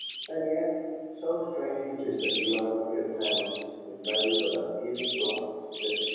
And yet so strange is the duality of towns it lay but a few blocks distant.